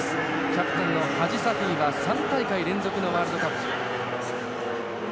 キャプテンのハジサフィは３大会連続のワールドカップ。